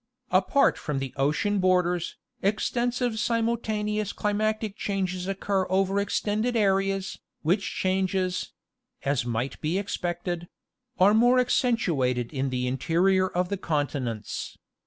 Apart from the ocean borders, extensive simultaneous climatic changes occur over extended areas, which changes—as might be expected—are more accentuated in the interior of the continents.